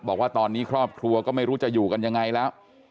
บอกว่าตอนนี้ครอบครัวก็ไม่รู้จะอยู่กันยังไงแล้ว